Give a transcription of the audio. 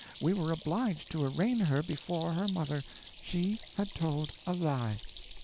We were obliged to arraign her before her mother. She had told a lie."